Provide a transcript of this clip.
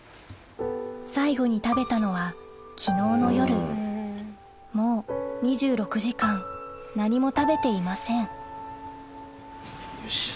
最後に食べたのは昨日の夜もう２６時間何も食べていませんよっしゃ。